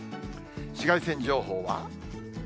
紫外線情報は。